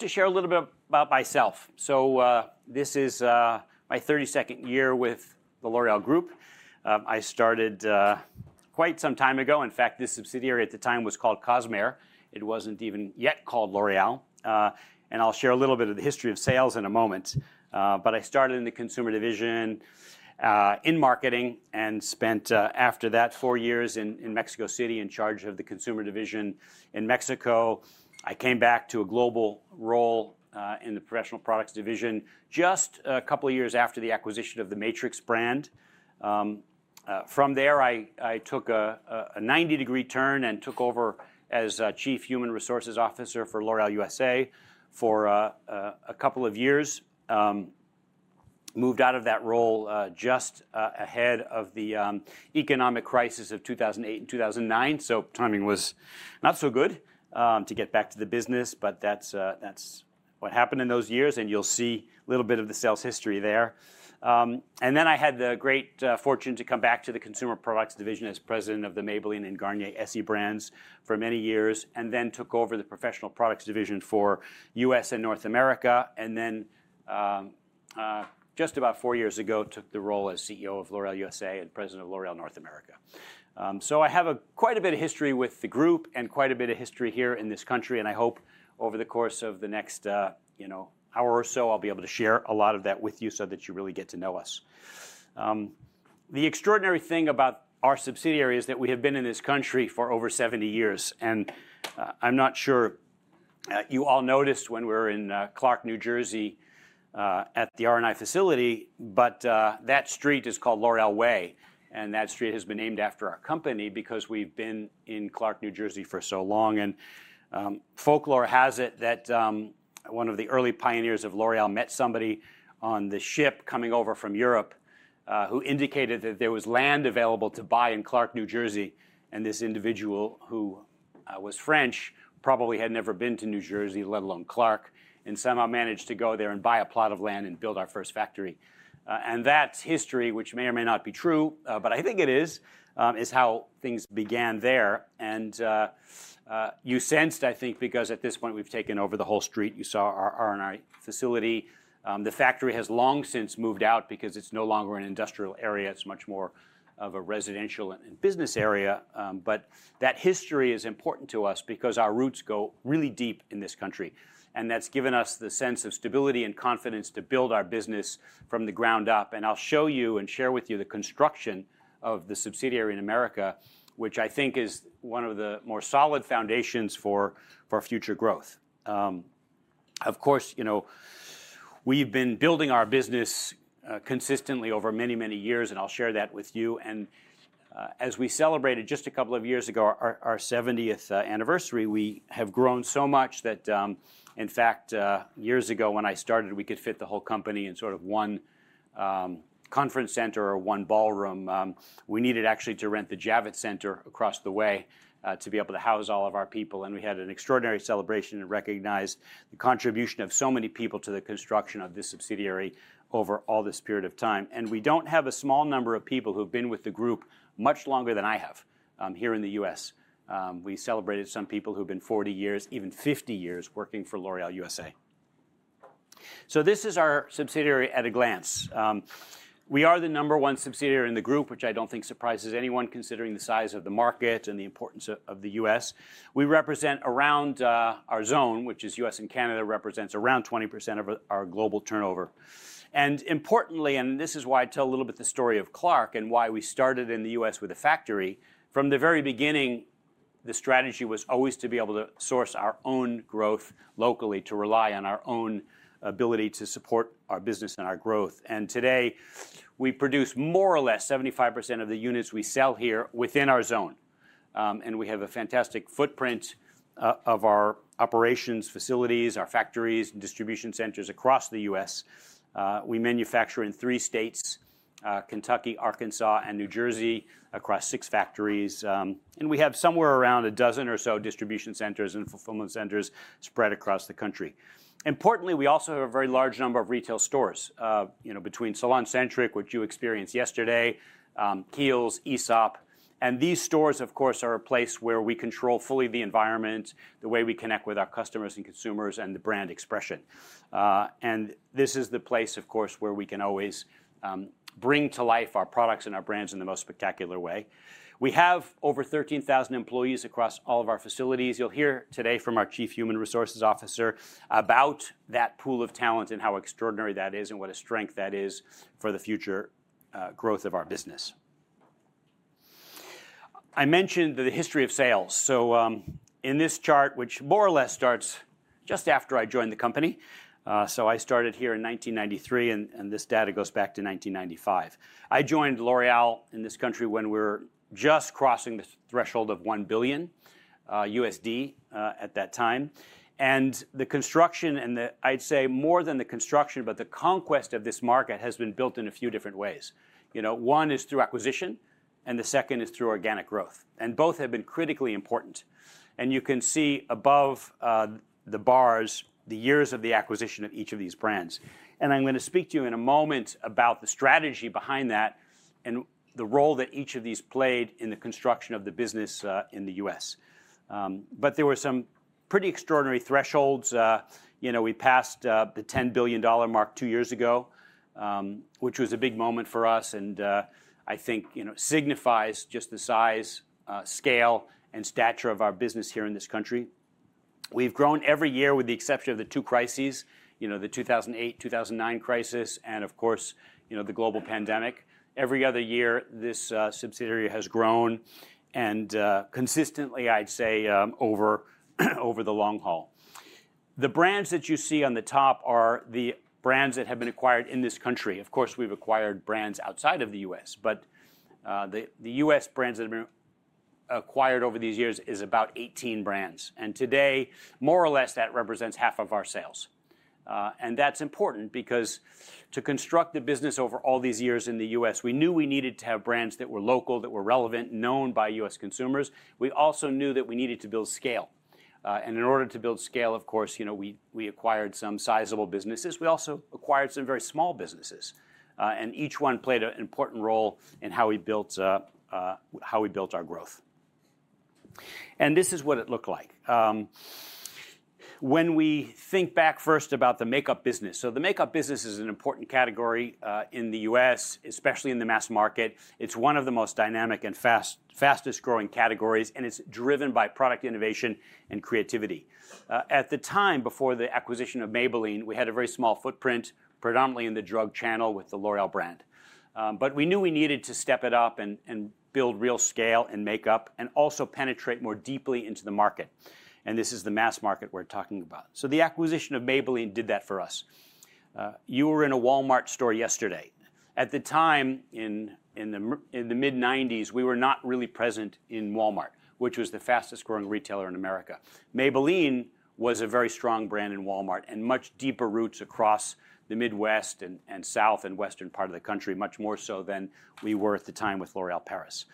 To share a little bit about myself. So, this is my 32nd year with the L'Oréal Group. I started quite some time ago. In fact, this subsidiary at the time was called Cosmair. It wasn't even yet called L'Oréal, and I'll share a little bit of the history of sales in a moment, but I started in the consumer division, in marketing, and spent after that four years in Mexico City in charge of the consumer division in Mexico. I came back to a global role, in the professional products division just a couple of years after the acquisition of the Matrix brand, from there, I took a 90-degree turn and took over as Chief Human Resources Officer for L'Oréal USA for a couple of years, moved out of that role, just ahead of the economic crisis of 2008 and 2009. Timing was not so good to get back to the business, but that's what happened in those years. You'll see a little bit of the sales history there. Then I had the great fortune to come back to the Consumer Products Division as president of the Maybelline and Garnier Essie brands for many years, and then took over the Professional Products Division for U.S. and North America. Then, just about four years ago, I took the role as CEO of L'Oréal USA and president of L'Oréal North America. I have quite a bit of history with the group and quite a bit of history here in this country. I hope over the course of the next, you know, hour or so, I'll be able to share a lot of that with you so that you really get to know us. The extraordinary thing about our subsidiary is that we have been in this country for over 70 years. And I'm not sure you all noticed when we were in Clark, New Jersey, at the R&I facility, but that street is called L'Oréal Way. And that street has been named after our company because we've been in Clark, New Jersey for so long. And folklore has it that one of the early pioneers of L'Oréal met somebody on the ship coming over from Europe, who indicated that there was land available to buy in Clark, New Jersey. And this individual, who was French, probably had never been to New Jersey, let alone Clark, and somehow managed to go there and buy a plot of land and build our first factory. And that history, which may or may not be true, but I think it is, is how things began there. You sensed, I think, because at this point we've taken over the whole street. You saw our R&I and our facility. The factory has long since moved out because it's no longer an industrial area. It's much more of a residential and business area. That history is important to us because our roots go really deep in this country. That's given us the sense of stability and confidence to build our business from the ground up. I'll show you and share with you the construction of the subsidiary in America, which I think is one of the more solid foundations for future growth. Of course, you know, we've been building our business consistently over many, many years. I'll share that with you. As we celebrated just a couple of years ago, our 70th anniversary, we have grown so much that, in fact, years ago when I started, we could fit the whole company in sort of one conference center or one ballroom. We needed actually to rent the Javits Center across the way, to be able to house all of our people. We had an extraordinary celebration and recognized the contribution of so many people to the construction of this subsidiary over all this period of time. We don't have a small number of people who've been with the group much longer than I have, here in the U.S. We celebrated some people who've been 40 years, even 50 years working for L'Oréal USA. This is our subsidiary at a glance. We are the number one subsidiary in the group, which I don't think surprises anyone considering the size of the market and the importance of, of the U.S. We represent around, our zone, which is U.S. and Canada represents around 20% of our global turnover. Importantly, and this is why I tell a little bit the story of Clark and why we started in the U.S. with a factory. From the very beginning, the strategy was always to be able to source our own growth locally, to rely on our own ability to support our business and our growth. Today we produce more or less 75% of the units we sell here within our zone, and we have a fantastic footprint of our operations, facilities, our factories, and distribution centers across the U.S. We manufacture in three states, Kentucky, Arkansas, and New Jersey, across six factories. And we have somewhere around a dozen or so distribution centers and fulfillment centers spread across the country. Importantly, we also have a very large number of retail stores, you know, between SalonCentric, which you experienced yesterday, Kiehl's, Aesop. And these stores, of course, are a place where we control fully the environment, the way we connect with our customers and consumers, and the brand expression. And this is the place, of course, where we can always, bring to life our products and our brands in the most spectacular way. We have over 13,000 employees across all of our facilities. You'll hear today from our Chief Human Resources Officer about that pool of talent and how extraordinary that is and what a strength that is for the future, growth of our business. I mentioned the history of sales. So, in this chart, which more or less starts just after I joined the company, so I started here in 1993, and this data goes back to 1995. I joined L'Oréal in this country when we were just crossing the threshold of $1 billion at that time. And the construction, I'd say more than the construction, but the conquest of this market has been built in a few different ways. You know, one is through acquisition, and the second is through organic growth. And both have been critically important. And you can see above, the bars, the years of the acquisition of each of these brands. And I'm going to speak to you in a moment about the strategy behind that and the role that each of these played in the construction of the business, in the U.S., but there were some pretty extraordinary thresholds. You know, we passed the $10 billion mark two years ago, which was a big moment for us. And I think you know signifies just the size, scale, and stature of our business here in this country. We've grown every year with the exception of the two crises, you know, the 2008, 2009 crisis, and of course you know the global pandemic. Every other year this subsidiary has grown and consistently I'd say over over the long haul. The brands that you see on the top are the brands that have been acquired in this country. Of course we've acquired brands outside of the U.S., but the U.S. brands that have been acquired over these years is about 18 brands. And today more or less that represents 50% of our sales. And that's important because to construct the business over all these years in the U.S., we knew we needed to have brands that were local, that were relevant, known by U.S. consumers. We also knew that we needed to build scale. And in order to build scale, of course, you know, we acquired some sizable businesses. We also acquired some very small businesses. And each one played an important role in how we built our growth. And this is what it looked like. When we think back first about the makeup business, so the makeup business is an important category, in the U.S., especially in the mass market. It's one of the most dynamic and fast, fastest growing categories, and it's driven by product innovation and creativity. At the time before the acquisition of Maybelline, we had a very small footprint, predominantly in the drug channel with the L'Oréal brand. But we knew we needed to step it up and build real scale and makeup and also penetrate more deeply into the market. This is the mass market we're talking about. The acquisition of Maybelline did that for us. You were in a Walmart store yesterday. At the time, in the mid-1990s, we were not really present in Walmart, which was the fastest growing retailer in America. Maybelline was a very strong brand in Walmart and much deeper roots across the Midwest and South and Western part of the country, much more so than we were at the time with L'Oréal Paris.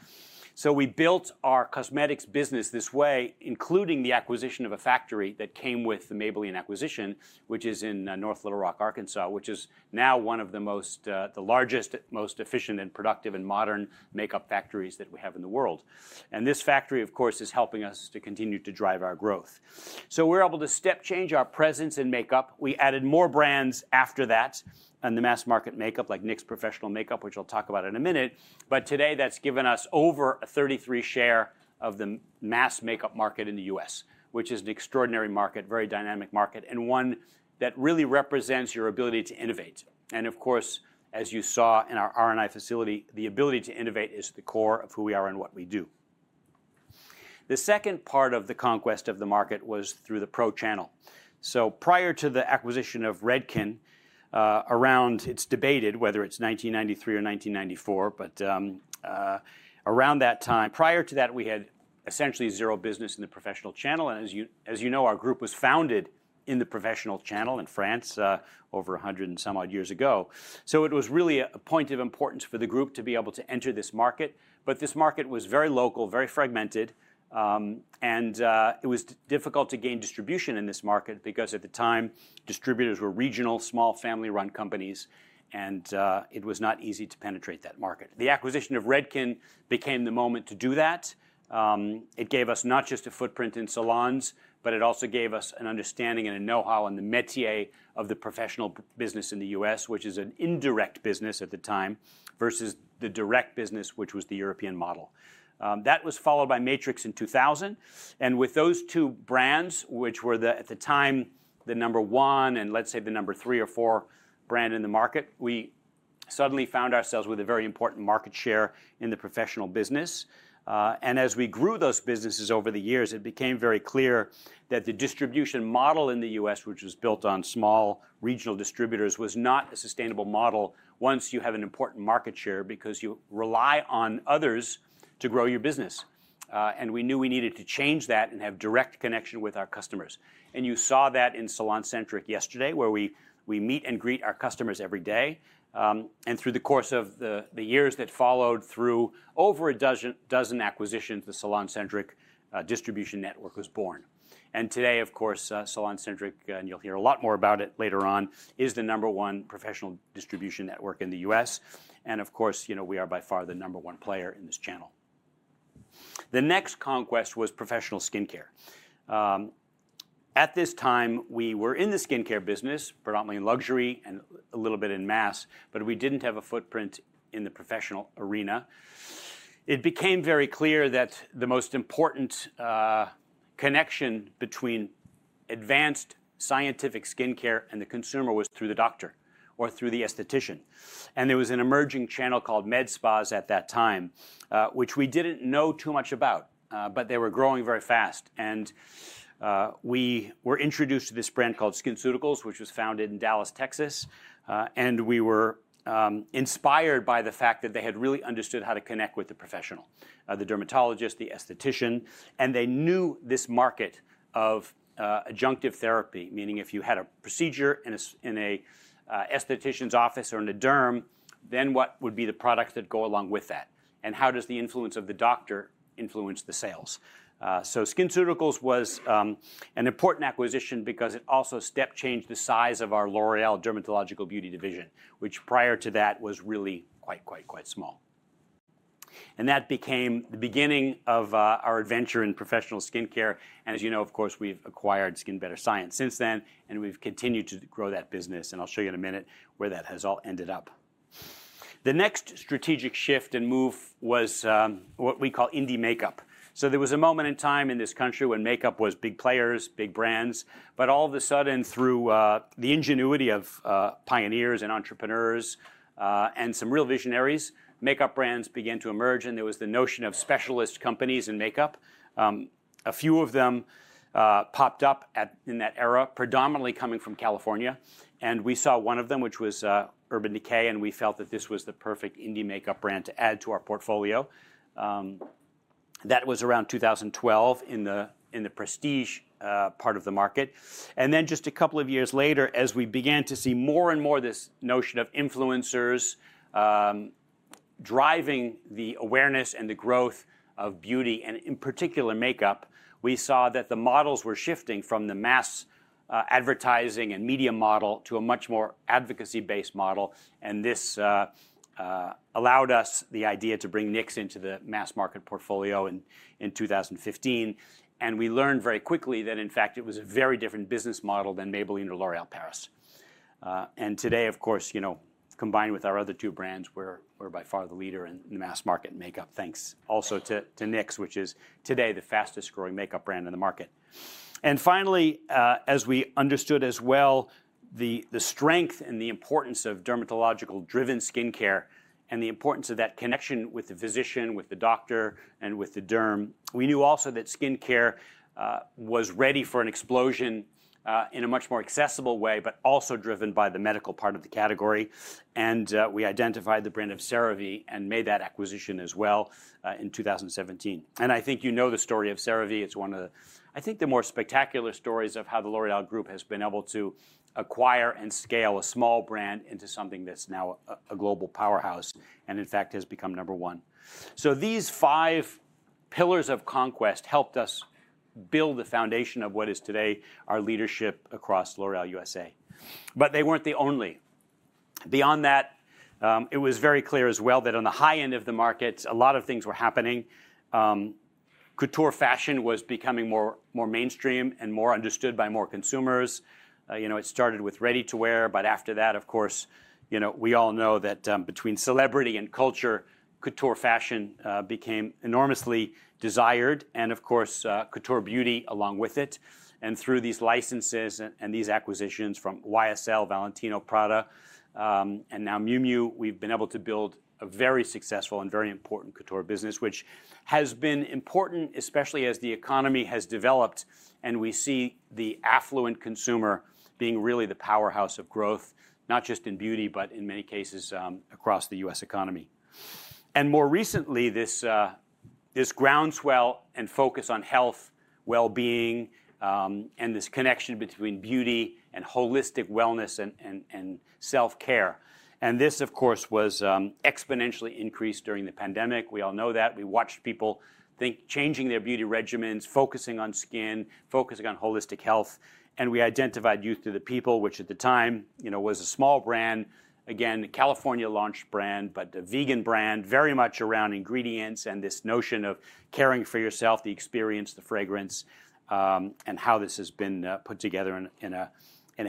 So we built our cosmetics business this way, including the acquisition of a factory that came with the Maybelline acquisition, which is in North Little Rock, Arkansas, which is now one of the most, the largest, most efficient and productive and modern makeup factories that we have in the world. And this factory, of course, is helping us to continue to drive our growth. So we're able to step change our presence in makeup. We added more brands after that on the mass market makeup, like NYX Professional Makeup, which I'll talk about in a minute. But today, that's given us over a 33% share of the mass makeup market in the U.S., which is an extraordinary market, very dynamic market, and one that really represents your ability to innovate. And of course, as you saw in our R&I facility, the ability to innovate is the core of who we are and what we do. The second part of the conquest of the market was through the Pro Channel. So prior to the acquisition of Redken, around, it's debated whether it's 1993 or 1994, but, around that time, prior to that, we had essentially zero business in the professional channel. And as you, as you know, our group was founded in the professional channel in France, over a hundred and somewhat years ago. So it was really a point of importance for the group to be able to enter this market. But this market was very local, very fragmented, and it was difficult to gain distribution in this market because at the time, distributors were regional, small family-run companies. And it was not easy to penetrate that market. The acquisition of Redken became the moment to do that. It gave us not just a footprint in salons, but it also gave us an understanding and a know-how on the métier of the professional business in the U.S., which is an indirect business at the time versus the direct business, which was the European model. That was followed by Matrix in 2000, and with those two brands, which were the, at the time, the number one and let's say the number three or four brand in the market, we suddenly found ourselves with a very important market share in the professional business. And as we grew those businesses over the years, it became very clear that the distribution model in the U.S., which was built on small regional distributors, was not a sustainable model once you have an important market share because you rely on others to grow your business. And we knew we needed to change that and have direct connection with our customers. And you saw that in SalonCentric yesterday, where we meet and greet our customers every day. And through the course of the years that followed, through over a dozen acquisitions, the SalonCentric distribution network was born. And today, of course, SalonCentric, and you'll hear a lot more about it later on, is the number one professional distribution network in the U.S. And of course, you know, we are by far the number one player in this channel. The next conquest was professional skincare. At this time, we were in the skincare business, predominantly in luxury and a little bit in mass, but we didn't have a footprint in the professional arena. It became very clear that the most important, connection between advanced scientific skincare and the consumer was through the doctor or through the esthetician. And there was an emerging channel called MedSpas at that time, which we didn't know too much about, but they were growing very fast. And, we were introduced to this brand called SkinCeuticals, which was founded in Dallas, Texas. And we were inspired by the fact that they had really understood how to connect with the professional, the dermatologist, the esthetician, and they knew this market of adjunctive therapy, meaning if you had a procedure in a esthetician's office or in a derm, then what would be the products that go along with that, and how does the influence of the doctor influence the sales. So SkinCeuticals was an important acquisition because it also step changed the size of our L'Oréal Dermatological Beauty division, which prior to that was really quite, quite, quite small. And that became the beginning of our adventure in professional skincare. And as you know, of course, we've acquired SkinBetter Science since then, and we've continued to grow that business. And I'll show you in a minute where that has all ended up. The next strategic shift and move was what we call indie makeup. So there was a moment in time in this country when makeup was big players, big brands, but all of a sudden, through the ingenuity of pioneers and entrepreneurs, and some real visionaries, makeup brands began to emerge. And there was the notion of specialist companies in makeup. A few of them popped up in that era, predominantly coming from California. And we saw one of them, which was Urban Decay, and we felt that this was the perfect indie makeup brand to add to our portfolio. That was around 2012 in the prestige part of the market. And then just a couple of years later, as we began to see more and more this notion of influencers, driving the awareness and the growth of beauty and in particular makeup, we saw that the models were shifting from the mass advertising and media model to a much more advocacy-based model. And this allowed us the idea to bring NYX into the mass market portfolio in 2015. And we learned very quickly that, in fact, it was a very different business model than Maybelline or L'Oréal Paris. And today, of course, you know, combined with our other two brands, we're by far the leader in the mass market in makeup, thanks also to NYX, which is today the fastest growing makeup brand in the market. And finally, as we understood as well, the strength and the importance of dermatological-driven skincare and the importance of that connection with the physician, with the doctor, and with the derm, we knew also that skincare was ready for an explosion in a much more accessible way, but also driven by the medical part of the category. And we identified the brand of CeraVe and made that acquisition as well, in 2017. And I think you know the story of CeraVe. It's one of the, I think, the more spectacular stories of how the L'Oréal Group has been able to acquire and scale a small brand into something that's now a global powerhouse and, in fact, has become number one. So these five pillars of conquest helped us build the foundation of what is today our leadership across L'Oréal USA. But they weren't the only. Beyond that, it was very clear as well that on the high end of the markets, a lot of things were happening. Couture fashion was becoming more mainstream and more understood by more consumers. You know, it started with ready-to-wear, but after that, of course, you know, we all know that, between celebrity and culture, couture fashion became enormously desired. And of course, couture beauty along with it. And through these licenses and these acquisitions from YSL, Valentino, Prada, and now Miu Miu, we've been able to build a very successful and very important couture business, which has been important, especially as the economy has developed and we see the affluent consumer being really the powerhouse of growth, not just in beauty, but in many cases, across the U.S. economy. More recently, this groundswell and focus on health, well-being, and this connection between beauty and holistic wellness and self-care. This, of course, was exponentially increased during the pandemic. We all know that. We watched people think changing their beauty regimens, focusing on skin, focusing on holistic health. We identified Youth to the People, which at the time, you know, was a small brand, again, a California-launched brand, but a vegan brand, very much around ingredients and this notion of caring for yourself, the experience, the fragrance, and how this has been put together in a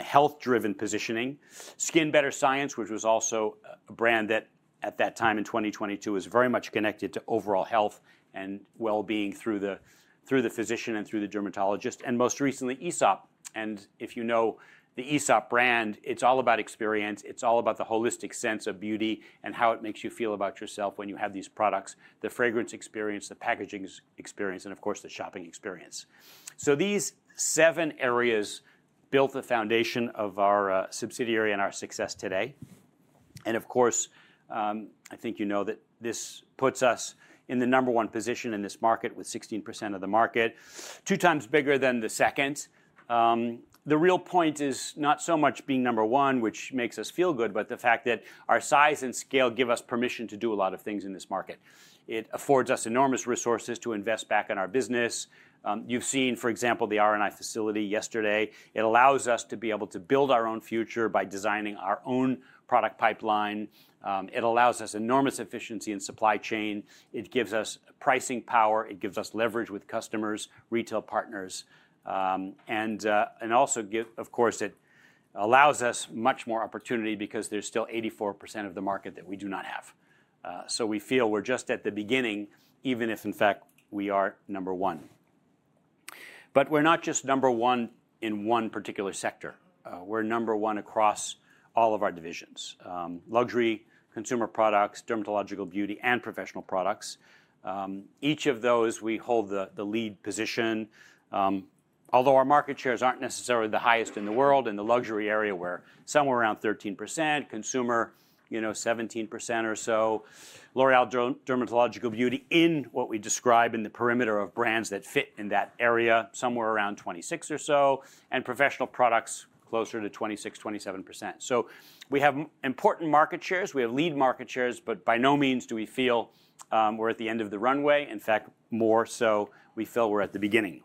health-driven positioning. SkinBetter Science, which was also a brand that at that time in 2022 was very much connected to overall health and well-being through the physician and through the dermatologist. Most recently, Aesop. And if you know the Aesop brand, it's all about experience. It's all about the holistic sense of beauty and how it makes you feel about yourself when you have these products, the fragrance experience, the packaging experience, and of course, the shopping experience. So these seven areas built the foundation of our subsidiary and our success today. And of course, I think you know that this puts us in the number one position in this market with 16% of the market, two times bigger than the second. The real point is not so much being number one, which makes us feel good, but the fact that our size and scale give us permission to do a lot of things in this market. It affords us enormous resources to invest back in our business. You've seen, for example, the R&I facility yesterday. It allows us to be able to build our own future by designing our own product pipeline. It allows us enormous efficiency in supply chain. It gives us pricing power. It gives us leverage with customers, retail partners, and also gives, of course, much more opportunity because there's still 84% of the market that we do not have. We feel we're just at the beginning, even if, in fact, we are number one. But we're not just number one in one particular sector. We're number one across all of our divisions: Luxury, Consumer Products, Dermatological Beauty, and Professional Products. Each of those, we hold the lead position. Although our market shares aren't necessarily the highest in the world in the luxury area, we're somewhere around 13%, consumer, you know, 17% or so. L'Oréal Dermatological Beauty in what we describe in the perimeter of brands that fit in that area, somewhere around 26% or so, and professional products closer to 26%-27%. So we have important market shares. We have lead market shares, but by no means do we feel we're at the end of the runway. In fact, more so, we feel we're at the beginning.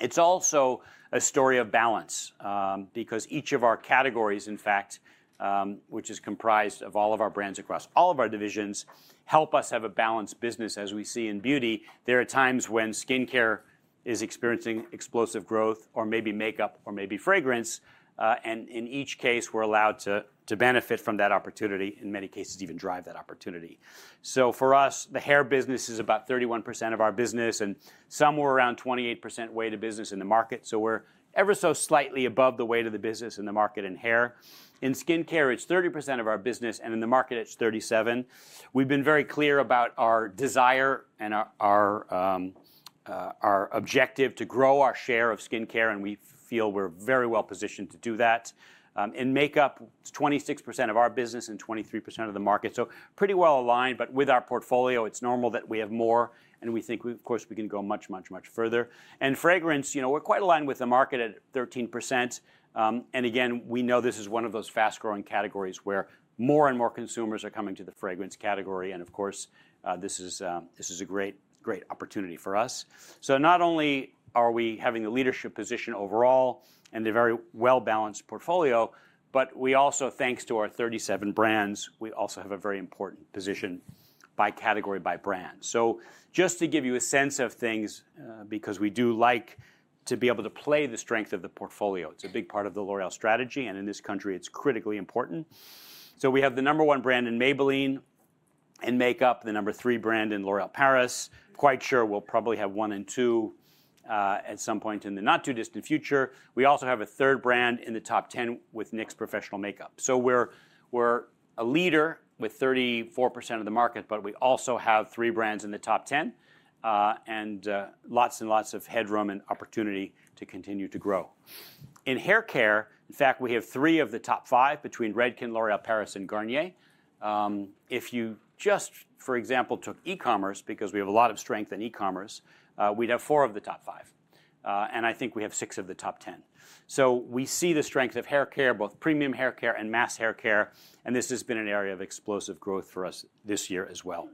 It's also a story of balance, because each of our categories, in fact, which is comprised of all of our brands across all of our divisions, help us have a balanced business as we see in beauty. There are times when skincare is experiencing explosive growth, or maybe makeup, or maybe fragrance, and in each case, we're allowed to benefit from that opportunity, in many cases, even drive that opportunity. So for us, the hair business is about 31% of our business and somewhere around 28% weight of business in the market. So we're ever so slightly above the weight of the business in the market in hair. In skincare, it's 30% of our business, and in the market, it's 37%. We've been very clear about our desire and our objective to grow our share of skincare, and we feel we're very well positioned to do that. In makeup, it's 26% of our business and 23% of the market. So pretty well aligned, but with our portfolio, it's normal that we have more, and we think we, of course, can go much, much, much further. And fragrance, you know, we're quite aligned with the market at 13%. And again, we know this is one of those fast-growing categories where more and more consumers are coming to the fragrance category. And of course, this is, this is a great, great opportunity for us. So not only are we having the leadership position overall and a very well-balanced portfolio, but we also, thanks to our 37 brands, we also have a very important position by category, by brand. So just to give you a sense of things, because we do like to be able to play the strength of the portfolio, it's a big part of the L'Oréal strategy, and in this country, it's critically important. So we have the number one brand in Maybelline and makeup, the number three brand in L'Oréal Paris. Quite sure we'll probably have one and two, at some point in the not-too-distant future. We also have a third brand in the top 10 with NYX Professional Makeup. So we're a leader with 34% of the market, but we also have three brands in the top 10, and lots and lots of headroom and opportunity to continue to grow. In hair care, in fact, we have three of the top five between Redken, L'Oréal Paris, and Garnier. If you just, for example, took e-commerce, because we have a lot of strength in e-commerce, we'd have four of the top five, and I think we have six of the top 10. So we see the strength of hair care, both premium hair care and mass hair care, and this has been an area of explosive growth for us this year as well.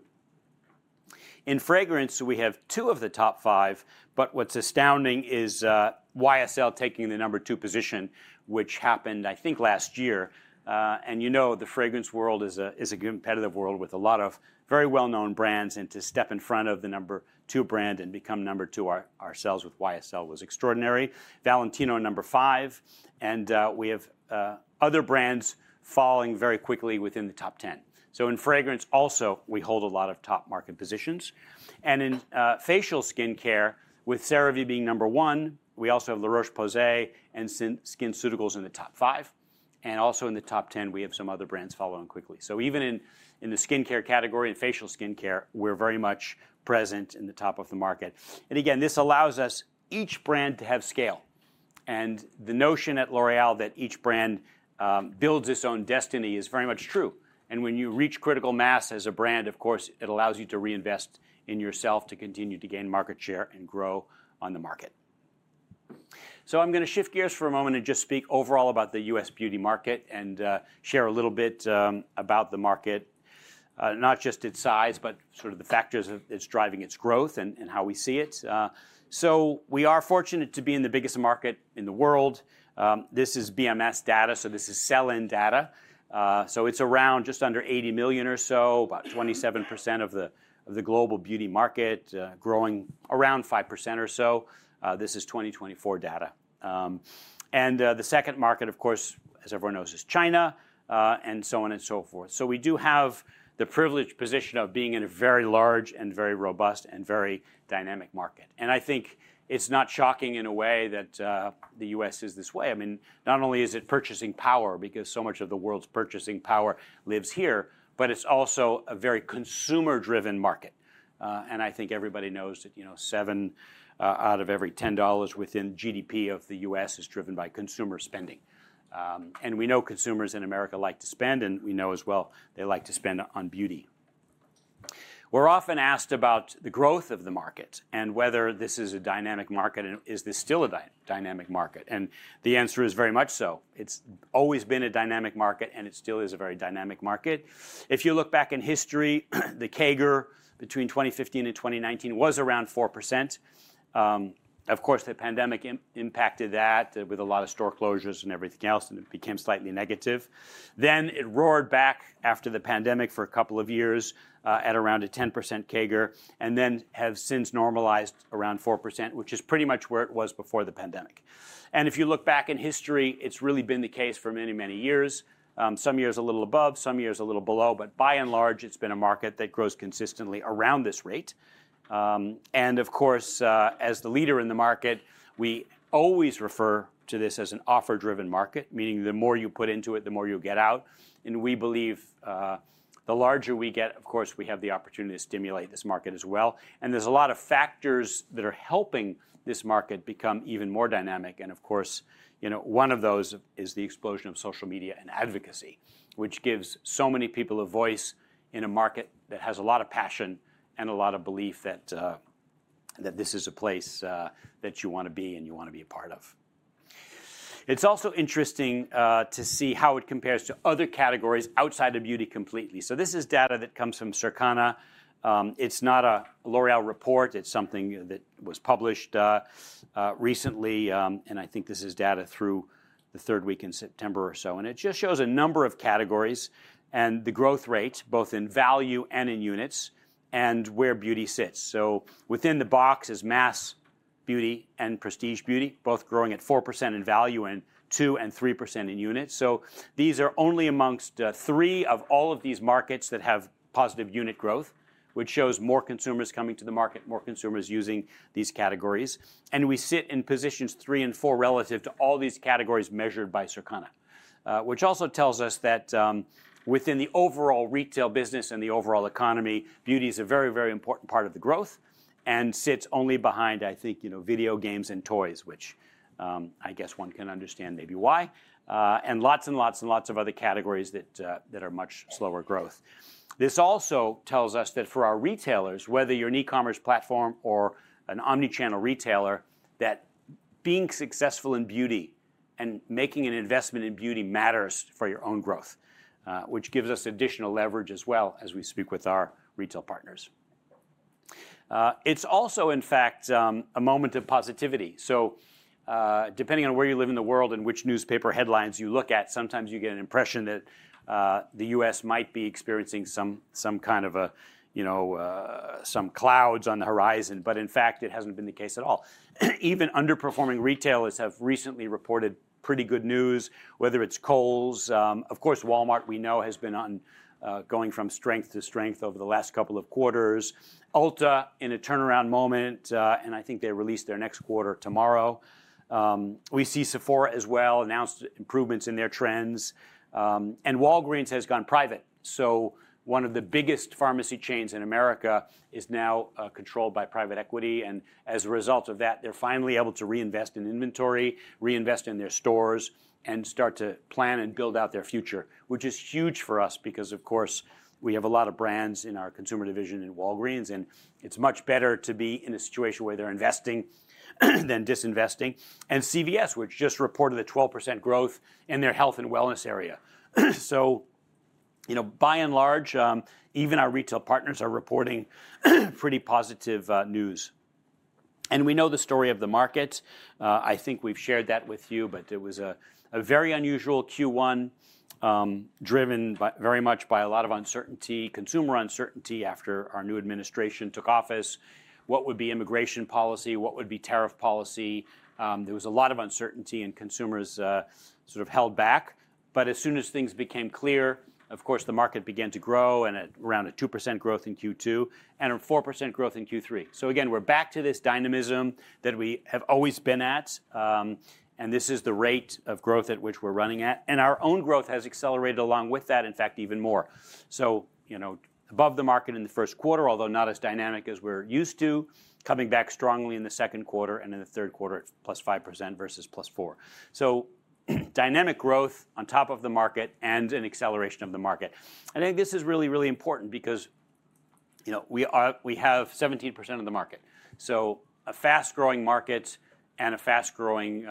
In fragrance, we have two of the top five, but what's astounding is YSL taking the number two position, which happened, I think, last year, and you know, the fragrance world is a competitive world with a lot of very well-known brands, and to step in front of the number two brand and become number two ourselves with YSL was extraordinary. Valentino number five, and we have other brands falling very quickly within the top 10. So in fragrance also, we hold a lot of top market positions, and in facial skincare, with CeraVe being number one, we also have La Roche-Posay and SkinCeuticals in the top five, and also in the top 10, we have some other brands following quickly. So even in the skincare category and facial skincare, we're very much present in the top of the market. And again, this allows us each brand to have scale. And the notion at L'Oréal that each brand builds its own destiny is very much true. And when you reach critical mass as a brand, of course, it allows you to reinvest in yourself to continue to gain market share and grow on the market. So I'm going to shift gears for a moment and just speak overall about the U.S. beauty market and share a little bit about the market, not just its size, but sort of the factors of its driving its growth and how we see it. So we are fortunate to be in the biggest market in the world. This is BMS data, so this is sell-in data. So it's around just under $80 million or so, about 27% of the global beauty market, growing around 5% or so. This is 2024 data. And, the second market, of course, as everyone knows, is China, and so on and so forth. So we do have the privileged position of being in a very large and very robust and very dynamic market. And I think it's not shocking in a way that, the U.S. is this way. I mean, not only is it purchasing power, because so much of the world's purchasing power lives here, but it's also a very consumer-driven market. And I think everybody knows that, you know, seven out of every $10 within GDP of the U.S. is driven by consumer spending. And we know consumers in America like to spend, and we know as well they like to spend on beauty. We're often asked about the growth of the market and whether this is a dynamic market and is this still a dynamic market. And the answer is very much so. It's always been a dynamic market and it still is a very dynamic market. If you look back in history, the CAGR between 2015 and 2019 was around 4%. Of course, the pandemic impacted that with a lot of store closures and everything else, and it became slightly negative. Then it roared back after the pandemic for a couple of years, at around a 10% CAGR and then has since normalized around 4%, which is pretty much where it was before the pandemic. And if you look back in history, it's really been the case for many, many years. Some years a little above, some years a little below, but by and large, it's been a market that grows consistently around this rate. And of course, as the leader in the market, we always refer to this as an offer-driven market, meaning the more you put into it, the more you get out. We believe the larger we get, of course, we have the opportunity to stimulate this market as well. There's a lot of factors that are helping this market become even more dynamic. Of course, you know, one of those is the explosion of social media and advocacy, which gives so many people a voice in a market that has a lot of passion and a lot of belief that this is a place that you want to be and you want to be a part of. It's also interesting to see how it compares to other categories outside of beauty completely. This is data that comes from Circana. It's not a L'Oréal report. It's something that was published recently. And I think this is data through the third week in September or so. And it just shows a number of categories and the growth rate, both in value and in units, and where beauty sits. So within the box is mass beauty and prestige beauty, both growing at 4% in value and 2% and 3% in units. So these are only among three of all of these markets that have positive unit growth, which shows more consumers coming to the market, more consumers using these terms. We sit in positions three and four relative to all these categories measured by Circana, which also tells us that, within the overall retail business and the overall economy, beauty is a very, very important part of the growth and sits only behind, I think, you know, video games and toys, which, I guess one can understand maybe why. And lots and lots and lots of other categories that are much slower growth. This also tells us that for our retailers, whether you're an e-commerce platform or an omnichannel retailer, that being successful in beauty and making an investment in beauty matters for your own growth, which gives us additional leverage as well as we speak with our retail partners. It's also, in fact, a moment of positivity. So, depending on where you live in the world and which newspaper headlines you look at, sometimes you get an impression that, the U.S. might be experiencing some kind of a, you know, some clouds on the horizon, but in fact, it hasn't been the case at all. Even underperforming retailers have recently reported pretty good news, whether it's Kohl's, of course, Walmart, we know, has been going from strength to strength over the last couple of quarters. Ulta in a turnaround moment, and I think they released their next quarter tomorrow. We see Sephora as well announced improvements in their trends, and Walgreens has gone private. So one of the biggest pharmacy chains in America is now controlled by private equity. As a result of that, they're finally able to reinvest in inventory, reinvest in their stores, and start to plan and build out their future, which is huge for us because, of course, we have a lot of brands in our consumer division in Walgreens, and it's much better to be in a situation where they're investing than disinvesting. CVS, which just reported a 12% growth in their health and wellness area. So, you know, by and large, even our retail partners are reporting pretty positive news. We know the story of the market. I think we've shared that with you, but it was a very unusual Q1, driven very much by a lot of uncertainty, consumer uncertainty after our new administration took office. What would be immigration policy? What would be tariff policy? There was a lot of uncertainty and consumers sort of held back, but as soon as things became clear, of course, the market began to grow and at around a 2% growth in Q2 and a 4% growth in Q3, so again, we're back to this dynamism that we have always been at, and this is the rate of growth at which we're running at, and our own growth has accelerated along with that, in fact, even more, so, you know, above the market in the first quarter, although not as dynamic as we're used to, coming back strongly in the second quarter and in the third quarter, it's plus 5% versus plus 4%, so dynamic growth on top of the market and an acceleration of the market, and I think this is really, really important because, you know, we are, we have 17% of the market. A fast-growing market and a fast-growing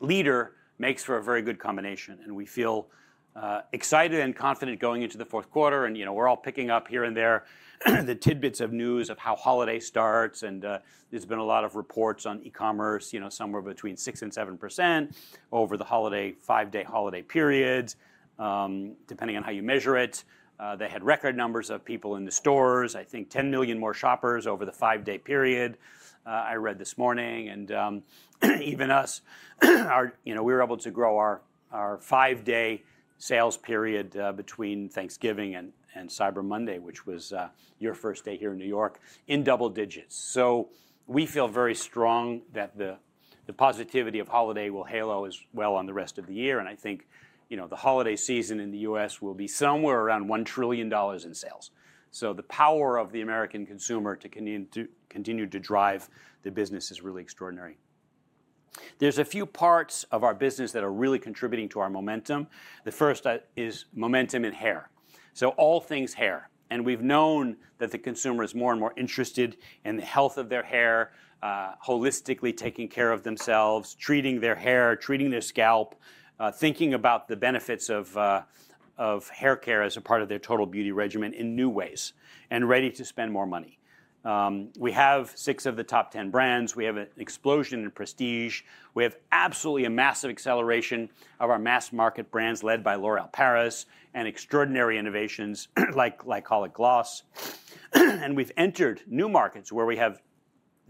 leader makes for a very good combination. We feel excited and confident going into the fourth quarter. You know, we're all picking up here and there the tidbits of news of how holiday starts. There's been a lot of reports on e-commerce, you know, somewhere between 6% and 7% over the holiday five-day holiday periods, depending on how you measure it. They had record numbers of people in the stores, I think 10 million more shoppers over the five-day period, I read this morning. Even us are, you know, we were able to grow our five-day sales period between Thanks giving and Cyber Monday, which was your first day here in New York, in double digits. We feel very strong that the positivity of holiday will halo as well on the rest of the year. And I think, you know, the holiday season in the U.S. will be somewhere around $1 trillion in sales. So the power of the American consumer to continue to drive the business is really extraordinary. There's a few parts of our business that are really contributing to our momentum. The first is momentum in hair. So all things hair. And we've known that the consumer is more and more interested in the health of their hair, holistically taking care of themselves, treating their hair, treating their scalp, thinking about the benefits of hair care as a part of their total beauty regimen in new ways and ready to spend more money. We have six of the top 10 brands. We have an explosion in prestige. We have absolutely a massive acceleration of our mass market brands led by L'Oréal Paris and extraordinary innovations like glycolic gloss. And we've entered new markets where we have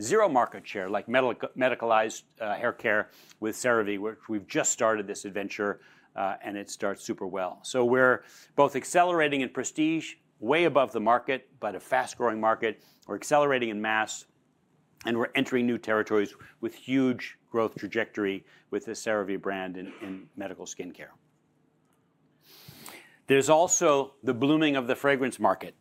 zero market share, like medicalized hair care with CeraVe, which we've just started this adventure, and it starts super well. So we're both accelerating in prestige way above the market, but a fast-growing market. We're accelerating in mass, and we're entering new territories with huge growth trajectory with the CeraVe brand in medical skincare. There's also the blooming of the fragrance market.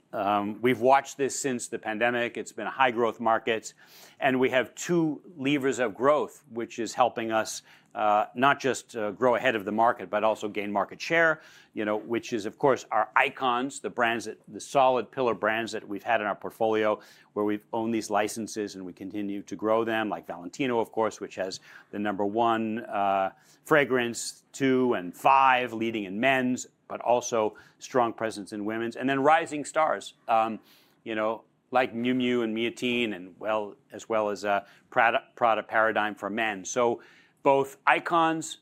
We've watched this since the pandemic. It's been a high-growth market, and we have two levers of growth, which is helping us, not just grow ahead of the market, but also gain market share, you know, which is, of course, our icons, the solid pillar brands that we've had in our portfolio where we've owned these licenses and we continue to grow them, like Valentino, of course, which has the number one fragrance, two and five leading in men's, but also strong presence in women's, and then rising stars, you know, like Miu Miu and Miutine and, well, as well as, Prada Paradoxe for men. So both icons,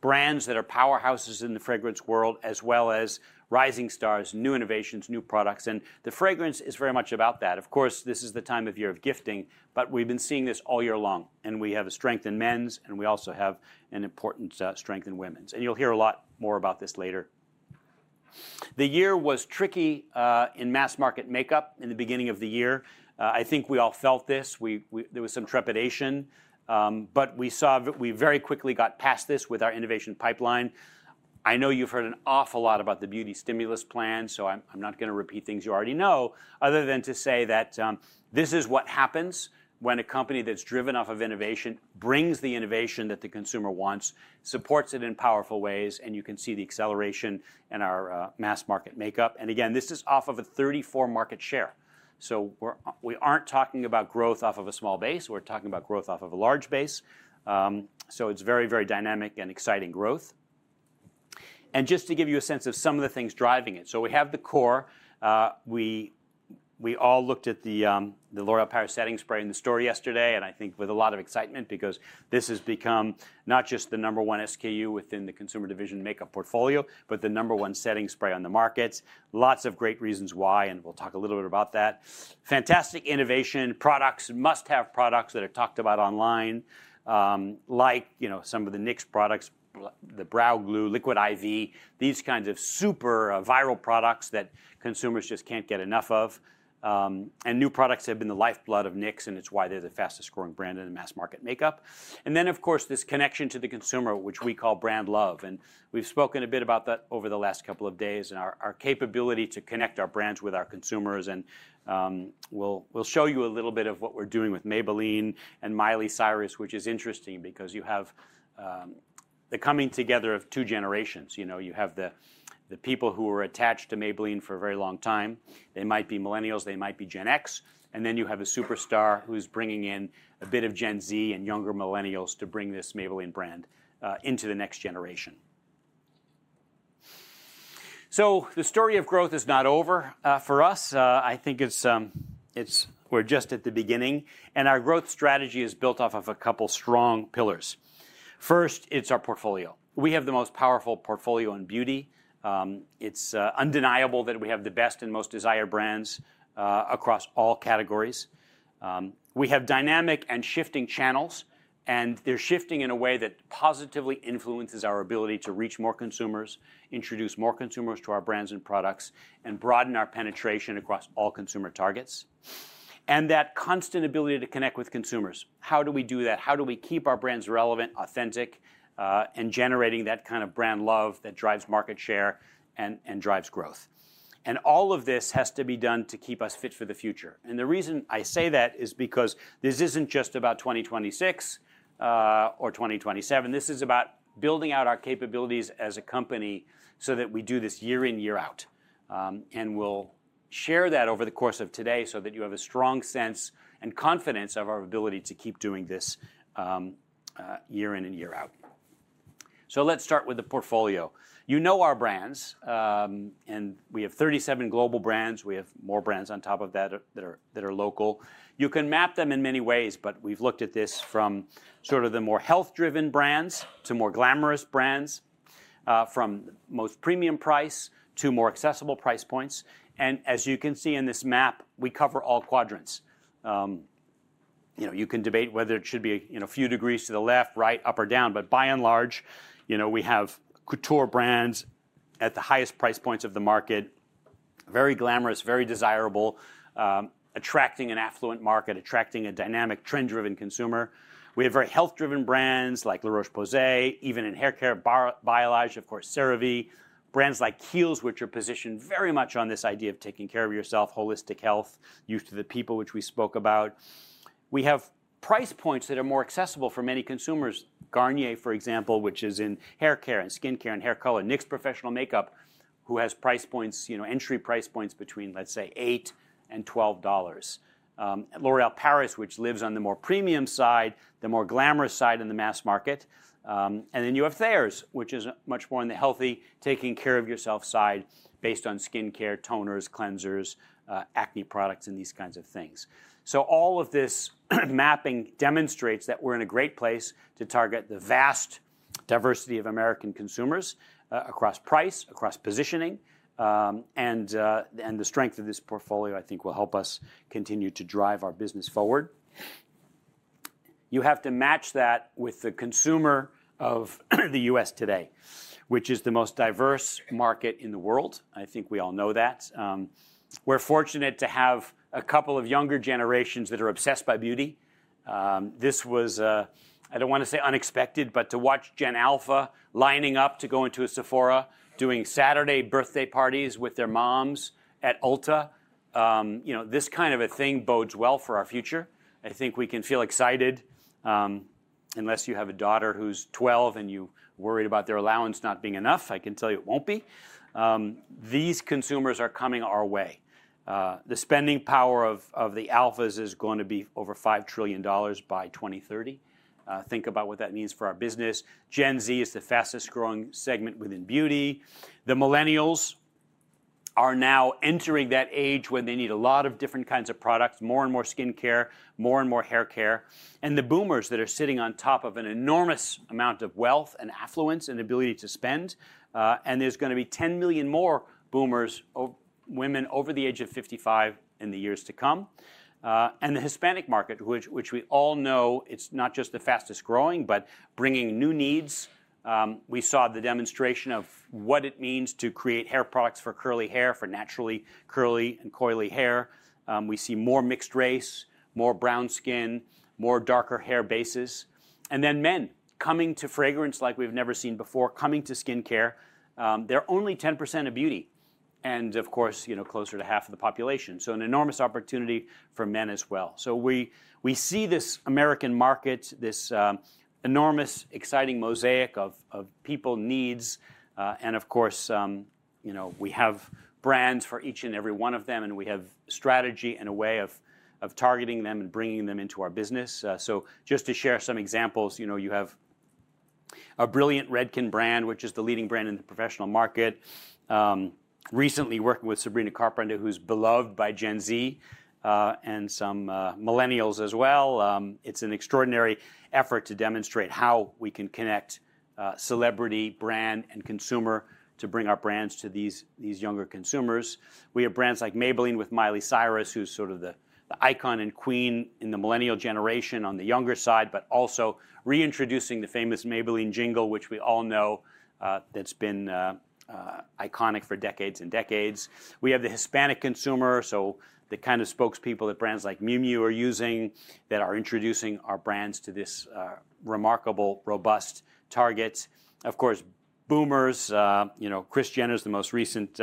brands that are powerhouses in the fragrance world, as well as rising stars, new innovations, new products, and the fragrance is very much about that. Of course, this is the time of year of gifting, but we've been seeing this all year long, and we have a strength in men's, and we also have an important strength in women's. And you'll hear a lot more about this later. The year was tricky in mass market makeup in the beginning of the year. I think we all felt this. We there was some trepidation, but we saw, we very quickly got past this with our innovation pipeline. I know you've heard an awful lot about the beauty stimulus plan, so I'm not going to repeat things you already know other than to say that this is what happens when a company that's driven off of innovation brings the innovation that the consumer wants, supports it in powerful ways, and you can see the acceleration in our mass market makeup. And again, this is off of a 34% market share, so we're, we aren't talking about growth off of a small base. We're talking about growth off of a large base, so it's very, very dynamic and exciting growth, and just to give you a sense of some of the things driving it, so we have the core. We all looked at the L'Oréal Paris setting spray in the store yesterday, and I think with a lot of excitement because this has become not just the number one SKU within the consumer division makeup portfolio, but the number one setting spray on the markets. Lots of great reasons why, and we'll talk a little bit about that. Fantastic innovation products, must-have products that are talked about online, like, you know, some of the NYX products, the Brow Glue, liquid IV, these kinds of super viral products that consumers just can't get enough of, and new products have been the lifeblood of NYX, and it's why they're the fastest-growing brand in the mass market makeup, and then, of course, this connection to the consumer, which we call brand love, and we've spoken a bit about that over the last couple of days and our capability to connect our brands with our consumers, and we'll show you a little bit of what we're doing with Maybelline and Miley Cyrus, which is interesting because you have the coming together of two generations. You know, you have the people who were attached to Maybelline for a very long time. They might be millennials, they might be Gen X. And then you have a superstar who's bringing in a bit of Gen Z and younger millennials to bring this Maybelline brand into the next generation. So the story of growth is not over for us. I think it's we're just at the beginning, and our growth strategy is built off of a couple strong pillars. First, it's our portfolio. We have the most powerful portfolio in beauty. It's undeniable that we have the best and most desired brands across all categories. We have dynamic and shifting channels, and they're shifting in a way that positively influences our ability to reach more consumers, introduce more consumers to our brands and products, and broaden our penetration across all consumer Targets. And that constant ability to connect with consumers. How do we do that? How do we keep our brands relevant, authentic, and generating that kind of brand love that drives market share and, and drives growth? And all of this has to be done to keep us fit for the future. And the reason I say that is because this isn't just about 2026, or 2027. This is about building out our capabilities as a company so that we do this year in, year out. And we'll share that over the course of today so that you have a strong sense and confidence of our ability to keep doing this, year in and year out. So let's start with the portfolio. You know our brands, and we have 37 global brands. We have more brands on top of that that are, that are local. You can map them in many ways, but we've looked at this from sort of the more health-driven brands to more glamorous brands, from most premium price to more accessible price points. And as you can see in this map, we cover all quadrants. You know, you can debate whether it should be, you know, a few degrees to the left, right, up or down, but by and large, you know, we have couture brands at the highest price points of the market, very glamorous, very desirable, attracting an affluent market, attracting a dynamic, trend-driven consumer. We have very health-driven brands like La Roche-Posay, even in haircare, Biolage, of course, CeraVe, brands like Kiehl's, which are positioned very much on this idea of taking care of yourself, holistic health, Youth to the People, which we spoke about. We have price points that are more accessible for many consumers. Garnier, for example, which is in hair care and skincare and hair color, NYX Professional Makeup, who has price points, you know, entry price points between, let's say, $8 and $12. L'Oréal Paris, which lives on the more premium side, the more glamorous side in the mass market. Then you have Thayers, which is much more on the healthy, taking care of yourself side based on skincare, toners, cleansers, acne products, and these kinds of things. So all of this mapping demonstrates that we're in a great place to Target the vast diversity of American consumers, across price, across positioning. And the strength of this portfolio, I think, will help us continue to drive our business forward. You have to match that with the consumer of the U.S. today, which is the most diverse market in the world. I think we all know that. We're fortunate to have a couple of younger generations that are obsessed by beauty. This was, I don't want to say unexpected, but to watch Gen Alpha lining up to go into a Sephora, doing Saturday birthday parties with their moms at Ulta. You know, this kind of a thing bodes well for our future. I think we can feel excited. Unless you have a daughter who's 12 and you're worried about their allowance not being enough, I can tell you it won't be. These consumers are coming our way. The spending power of the Alphas is going to be over $5 trillion by 2030. Think about what that means for our business. Gen Z is the fastest-growing segment within beauty. The millennials are now entering that age when they need a lot of different kinds of products, more and more skincare, more and more hair care. And the boomers that are sitting on top of an enormous amount of wealth and affluence and ability to spend. And there's going to be 10 million more boomers, women over the age of 55 in the years to come. And the Hispanic market, which we all know it's not just the fastest growing, but bringing new needs. We saw the demonstration of what it means to create hair products for curly hair, for naturally curly and coily hair. We see more mixed race, more brown skin, more darker hair bases. And then men coming to fragrance like we've never seen before, coming to skincare. They're only 10% of beauty. And of course, you know, closer to half of the population. So an enormous opportunity for men as well. So we see this American market, this enormous, exciting mosaic of people, needs. And of course, you know, we have brands for each and every one of them, and we have strategy and a way of Targeting them and bringing them into our business. So just to share some examples, you know, you have a brilliant Redken brand, which is the leading brand in the professional market. Recently working with Sabrina Carpenter, who's beloved by Gen Z, and some millennials as well. It's an extraordinary effort to demonstrate how we can connect celebrity, brand, and consumer to bring our brands to these younger consumers. We have brands like Maybelline with Miley Cyrus, who's sort of the icon and queen in the millennial generation on the younger side, but also reintroducing the famous Maybelline jingle, which we all know, that's been iconic for decades and decades. We have the Hispanic consumer, so the kind of spokespeople that brands like Miu Miu are using that are introducing our brands to this remarkable robust Target. Of course, boomers, you know, Kris Jenner's the most recent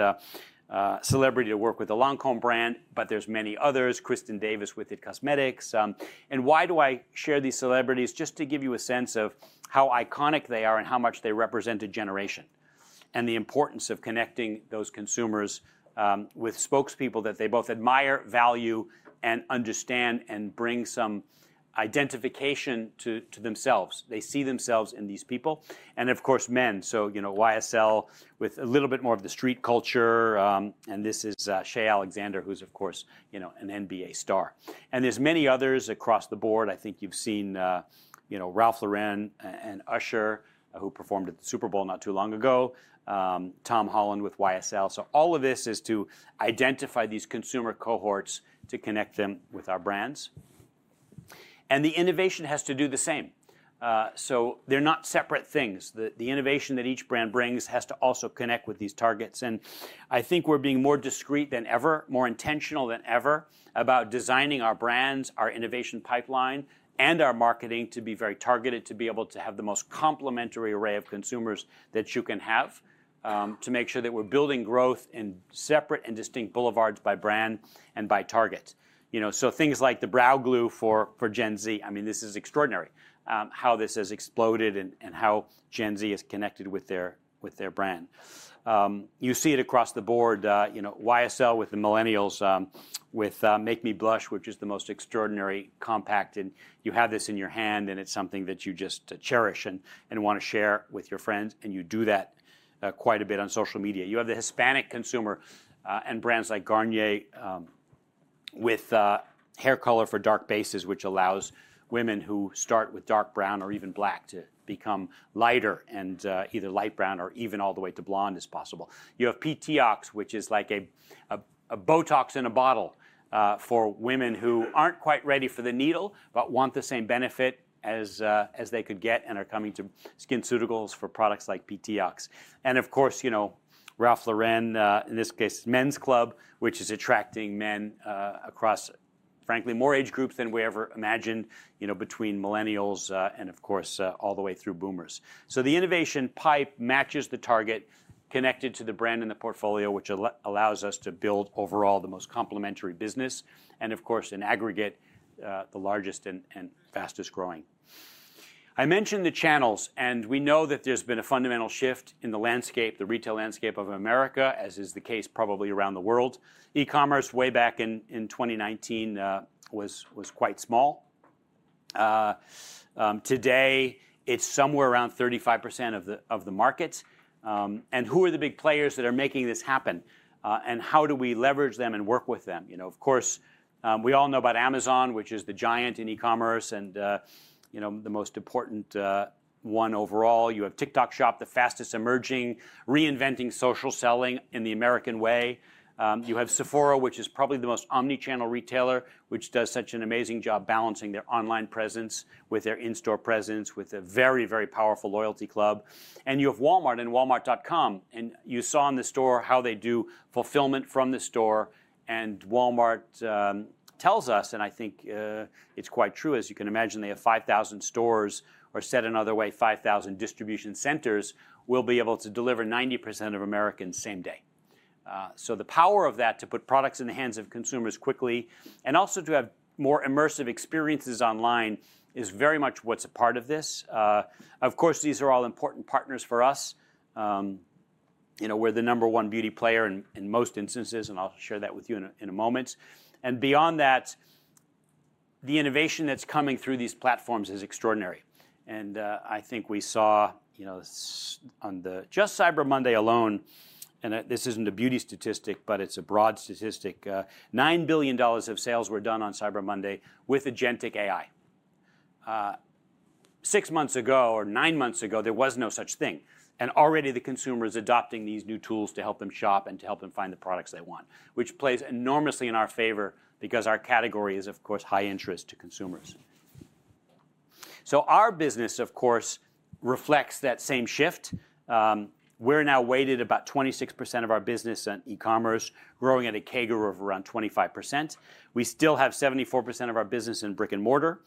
celebrity to work with the Lancôme brand, but there's many others, Kristin Davis with IT Cosmetics. And why do I share these celebrities? Just to give you a sense of how iconic they are and how much they represent a generation and the importance of connecting those consumers with spokespeople that they both admire, value, and understand and bring some identification to themselves. They see themselves in these people. And of course, men. So, you know, YSL with a little bit more of the street culture. And this is Shai Gilgeous-Alexander, who's, of course, you know, an NBA star. And there's many others across the board. I think you've seen, you know, Ralph Lauren and Usher, who performed at the Super Bowl not too long ago. Tom Holland with YSL. So all of this is to identify these consumer cohorts, to connect them with our brands, and the innovation has to do the same, so they're not separate things. The innovation that each brand brings has to also connect with these Targets, and I think we're being more discreet than ever, more intentional than ever about designing our brands, our innovation pipeline, and our marketing to be very targeted, to be able to have the most complementary array of consumers that you can have, to make sure that we're building growth in separate and distinct boulevards by brand and by Target. You know, so things like the Brow Glue for Gen Z, I mean, this is extraordinary, how this has exploded and how Gen Z is connected with their brand. You see it across the board, you know, YSL with the millennials, with Make Me Blush, which is the most extraordinary compact. And you have this in your hand, and it's something that you just cherish and want to share with your friends. And you do that, quite a bit on social media. You have the Hispanic consumer, and brands like Garnier, with hair color for dark bases, which allows women who start with dark brown or even black to become lighter and either light brown or even all the way to blonde is possible. You have P-TIOX, which is like a Botox in a bottle, for women who aren't quite ready for the needle but want the same benefit as they could get and are coming to SkinCeuticals for products like P-TIOX. And of course, you know, Ralph Lauren, in this case, Ralph's Club, which is attracting men, across, frankly, more age groups than we ever imagined, you know, between millennials, and of course, all the way through boomers. So the innovation pipe matches the Target connected to the brand and the portfolio, which allows us to build overall the most complementary business. And of course, in aggregate, the largest and fastest growing. I mentioned the channels, and we know that there's been a fundamental shift in the landscape, the retail landscape of America, as is the case probably around the world. E-commerce way back in 2019 was quite small. Today it's somewhere around 35% of the market. And who are the big players that are making this happen? And how do we leverage them and work with them? You know, of course, we all know about Amazon, which is the giant in e-commerce and, you know, the most important one overall. You have TikTok Shop, the fastest emerging, reinventing social selling in the American way. You have Sephora, which is probably the most omnichannel retailer, which does such an amazing job balancing their online presence with their in-store presence with a very, very powerful loyalty club. And you have Walmart and Walmart.com. And you saw in the store how they do fulfillment from the store. And Walmart tells us, and I think it's quite true, as you can imagine. They have 5,000 stores, or said another way, 5,000 distribution centers will be able to deliver 90% of Americans same day. So the power of that to put products in the hands of consumers quickly and also to have more immersive experiences online is very much what's a part of this. Of course, these are all important partners for us. You know, we're the number one beauty player in most instances, and I'll share that with you in a moment. And beyond that, the innovation that's coming through these platforms is extraordinary. And I think we saw, you know, on the just Cyber Monday alone, and this isn't a beauty statistic, but it's a broad statistic. $9 billion of sales were done on Cyber Monday with Agentic AI. Six months ago or nine months ago, there was no such thing, and already the consumer is adopting these new tools to help them shop and to help them find the products they want, which plays enormously in our favor because our category is, of course, high interest to consumers. So our business, of course, reflects that same shift. We're now weighted about 26% of our business on e-commerce, growing at a CAGR of around 25%. We still have 74% of our business in brick and mortar,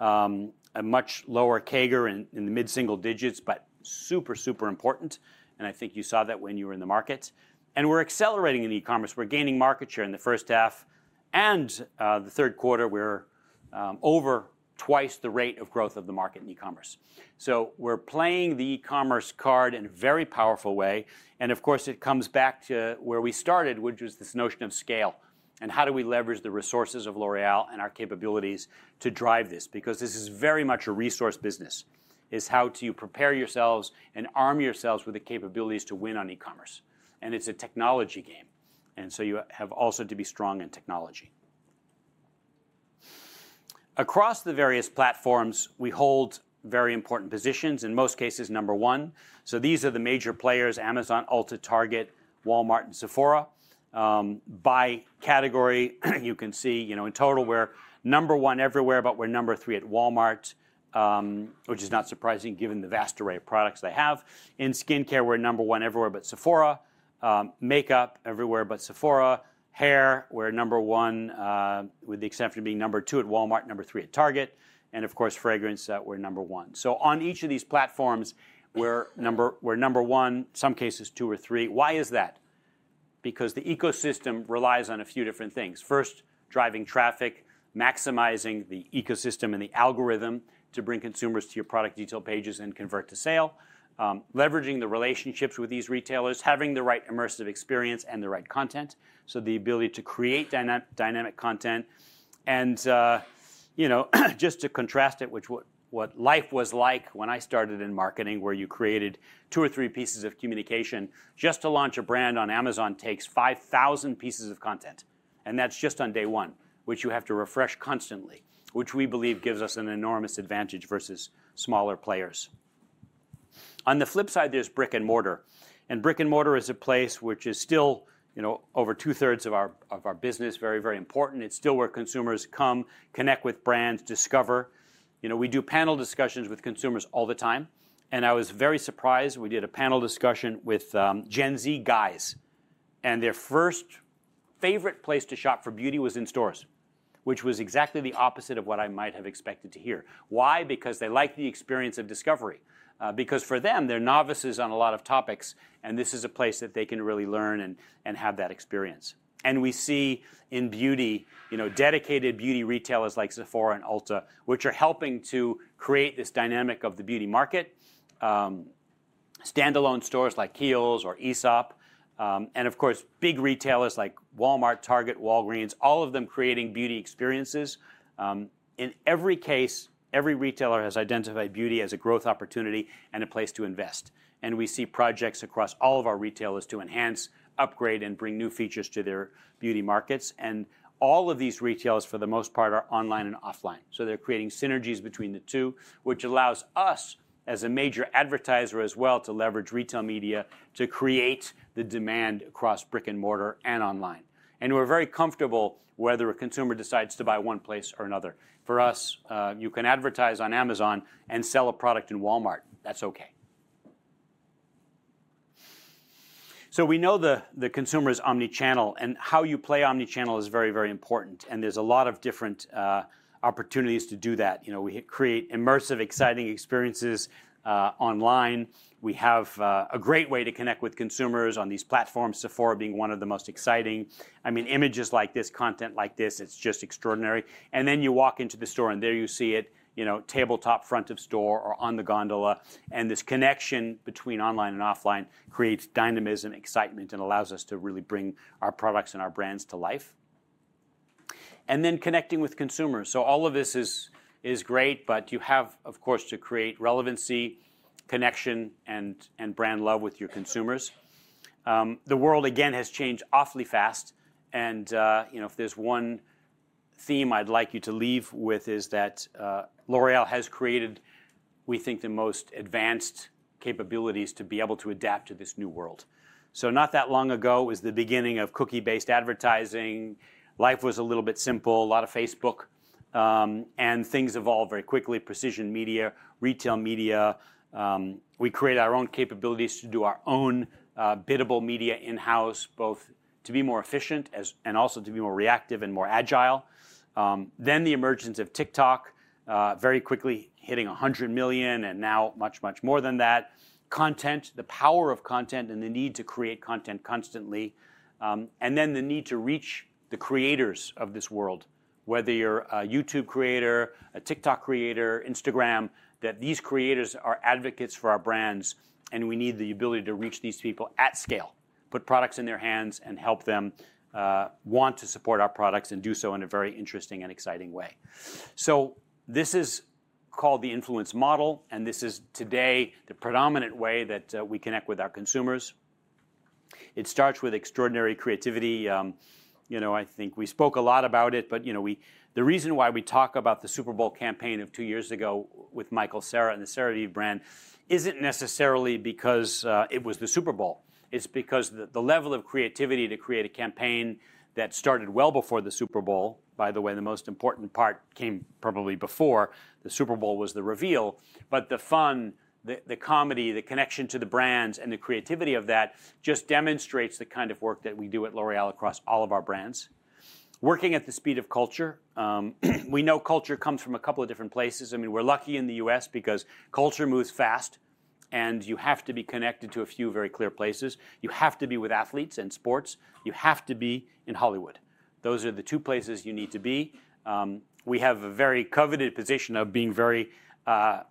a much lower CAGR in the mid-single digits, but super, super important, and I think you saw that when you were in the market, and we're accelerating in e-commerce. We're gaining market share in the first half and the third quarter. We're over twice the rate of growth of the market in e-commerce. So we're playing the e-commerce card in a very powerful way. And of course, it comes back to where we started, which was this notion of scale and how do we leverage the resources of L'Oréal and our capabilities to drive this? Because this is very much a resource business, is how to prepare yourselves and arm yourselves with the capabilities to win on e-commerce. And it's a technology game. And so you have also to be strong in technology. Across the various platforms, we hold very important positions in most cases, number one. So these are the major players: Amazon, Ulta, Target, Walmart, and Sephora. By category, you can see, you know, in total we're number one everywhere, but we're number three at Walmart, which is not surprising given the vast array of products they have. In skincare, we're number one everywhere but Sephora. Makeup, everywhere but Sephora. Hair, we're number one, with the exception of being number two at Walmart, number three at Target. And of course, fragrance, we're number one. On each of these platforms, we're number one, in some cases two or three. Why is that? Because the ecosystem relies on a few different things. First, driving traffic, maximizing the ecosystem and the algorithm to bring consumers to your product detail pages and convert to sale. Leveraging the relationships with these retailers, having the right immersive experience and the right content. The ability to create dynamic, dynamic content. You know, just to contrast it with what life was like when I started in marketing, where you created two or three pieces of communication to launch a brand. On Amazon it takes 5,000 pieces of content. And that's just on day one, which you have to refresh constantly, which we believe gives us an enormous advantage versus smaller players. On the flip side, there's brick and mortar. And brick and mortar is a place which is still, you know, over two-thirds of our business, very, very important. It's still where consumers come, connect with brands, discover. You know, we do panel discussions with consumers all the time. And I was very surprised. We did a panel discussion with Gen Z guys, and their first favorite place to shop for beauty was in stores, which was exactly the opposite of what I might have expected to hear. Why? Because they like the experience of discovery, because for them, they're novices on a lot of topics, and this is a place that they can really learn and have that experience. And we see in beauty, you know, dedicated beauty retailers like Sephora and Ulta, which are helping to create this dynamic of the beauty market. Standalone stores like Kiehl's or Aesop. And of course, big retailers like Walmart, Target, Walgreens, all of them creating beauty experiences. In every case, every retailer has identified beauty as a growth opportunity and a place to invest. And we see projects across all of our retailers to enhance, upgrade, and bring new features to their beauty markets. And all of these retailers, for the most part, are online and offline. So they're creating synergies between the two, which allows us as a major advertiser as well to leverage retail media to create the demand across brick and mortar and online. And we're very comfortable whether a consumer decides to buy one place or another. For us, you can advertise on Amazon and sell a product in Walmart. That's okay. So we know the consumer's omnichannel and how you play omnichannel is very, very important. And there's a lot of different opportunities to do that. You know, we create immersive, exciting experiences online. We have a great way to connect with consumers on these platforms, Sephora being one of the most exciting. I mean, images like this, content like this, it's just extraordinary. And then you walk into the store and there you see it, you know, tabletop, front of store, or on the gondola. And this connection between online and offline creates dynamism, excitement, and allows us to really bring our products and our brands to life. And then connecting with consumers. So all of this is great, but you have, of course, to create relevancy, connection, and brand love with your consumers. The world again has changed awfully fast. And, you know, if there's one theme I'd like you to leave with is that L'Oréal has created, we think, the most advanced capabilities to be able to adapt to this new world. So not that long ago was the beginning of cookie-based advertising. Life was a little bit simple, a lot of Facebook. And things evolve very quickly. Precision media, retail media. We create our own capabilities to do our own biddable media in-house, both to be more efficient as and also to be more reactive and more agile. Then the emergence of TikTok, very quickly hitting 100 million and now much, much more than that. Content, the power of content and the need to create content constantly. And then the need to reach the creators of this world, whether you're a YouTube creator, a TikTok creator, Instagram, that these creators are advocates for our brands. And we need the ability to reach these people at scale, put products in their hands and help them want to support our products and do so in a very interesting and exciting way. So this is called the influence model. And this is today the predominant way that we connect with our consumers. It starts with extraordinary creativity. You know, I think we spoke a lot about it, but you know, we, the reason why we talk about the Super Bowl campaign of two years ago with Michael Cera and the CeraVe brand isn't necessarily because it was the Super Bowl. It's because the level of creativity to create a campaign that started well before the Super Bowl, by the way, the most important part came probably before the Super Bowl was the reveal. But the fun, the comedy, the connection to the brands and the creativity of that just demonstrates the kind of work that we do at L'Oréal across all of our brands. Working at the speed of culture. We know culture comes from a couple of different places. I mean, we're lucky in the U.S. because culture moves fast and you have to be connected to a few very clear places. You have to be with athletes and sports. You have to be in Hollywood. Those are the two places you need to be. We have a very coveted position of being very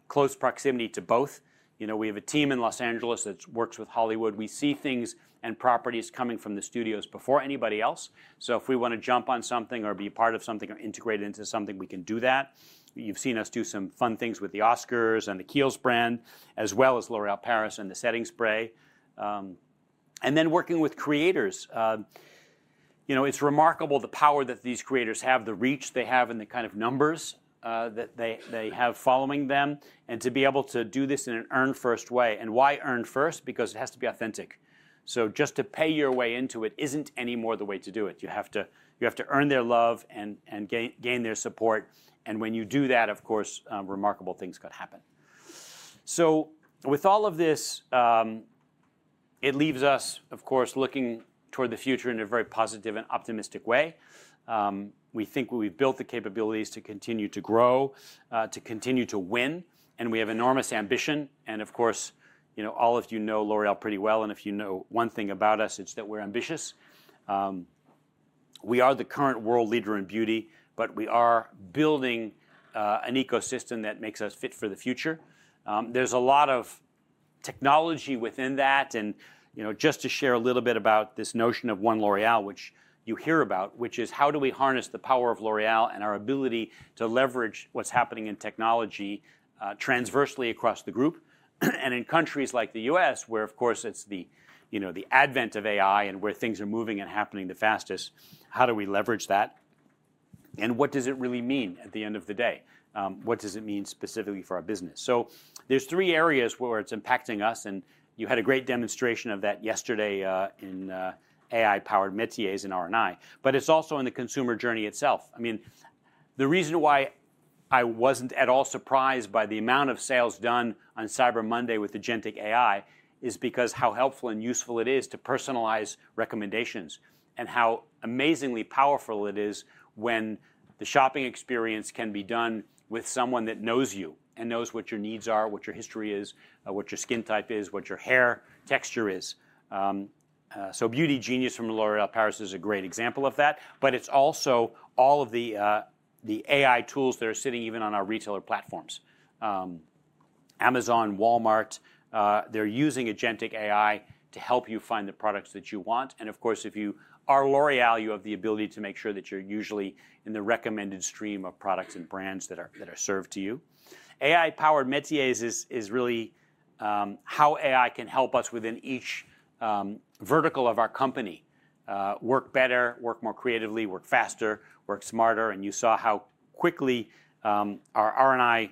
close proximity to both. You know, we have a team in Los Angeles that works with Hollywood. We see things and properties coming from the studios before anybody else. So if we want to jump on something or be part of something or integrate into something, we can do that. You've seen us do some fun things with the Oscars and the Kiehl's brand, as well as L'Oréal Paris and the setting spray, and then working with creators. You know, it's remarkable the power that these creators have, the reach they have and the kind of numbers that they have following them and to be able to do this in an earned first way. And why earned first? Because it has to be authentic. So just to pay your way into it isn't anymore the way to do it. You have to, you have to earn their love and, and gain, gain their support, and when you do that, of course, remarkable things could happen, so with all of this, it leaves us, of course, looking toward the future in a very positive and optimistic way, we think we've built the capabilities to continue to grow, to continue to win, and we have enormous ambition, and of course, you know, all of you know L'Oréal pretty well, and if you know one thing about us, it's that we're ambitious, we are the current world leader in beauty, but we are building an ecosystem that makes us fit for the future. There's a lot of technology within that. And, you know, just to share a little bit about this notion of One L'Oréal, which you hear about, which is how do we harness the power of L'Oréal and our ability to leverage what's happening in technology, transversely across the group and in countries like the U.S., where, of course, it's the, you know, the advent of AI and where things are moving and happening the fastest. How do we leverage that? And what does it really mean at the end of the day? What does it mean specifically for our business? So there's three areas where it's impacting us. And you had a great demonstration of that yesterday in AI-powered métiers in R&I, but it's also in the consumer journey itself. I mean, the reason why I wasn't at all surprised by the amount of sales done on Cyber Monday with Agentic AI is because how helpful and useful it is to personalize recommendations and how amazingly powerful it is when the shopping experience can be done with someone that knows you and knows what your needs are, what your history is, what your skin type is, what your hair texture is. So Beauty Genius from L'Oréal Paris is a great example of that. But it's also all of the AI tools that are sitting even on our retailer platforms. Amazon, Walmart, they're using Agentic AI to help you find the products that you want. And of course, if you are L'Oréal, you have the ability to make sure that you're usually in the recommended stream of products and brands that are served to you. AI-powered métiers is really how AI can help us within each vertical of our company work better, work more creatively, work faster, work smarter. And you saw how quickly our R&I